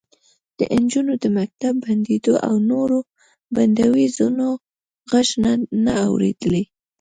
د نجونو د مکتب د بندېدو او نورو بندیزونو غږ نه و اورېدلی